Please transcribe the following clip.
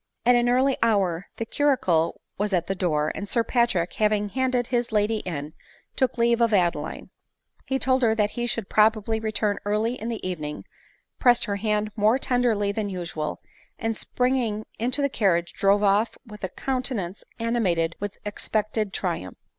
At an early hour the curricle was at the door, and Sir Patrick, haying handed his lady in, took leave of Adeline. He told her that he should probably return early in the evening, pressed her hand more tenderly than usual, and springing into the carriage,, drove off v?th a countenance animated with expected triumph.